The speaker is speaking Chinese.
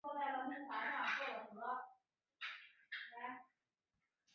祖父杜思贤。